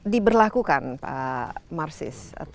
diberlakukan pak marsis